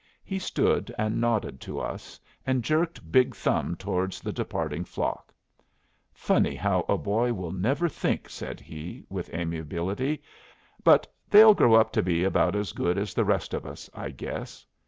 He stood and nodded to us, and jerked big thumb towards the departing flock. "Funny how a boy will never think," said he, with amiability. "But they'll grow up to be about as good as the rest of us, I guess.